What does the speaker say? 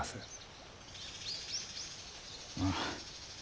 ああ。